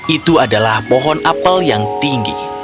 itu adalah pohon apel yang tinggi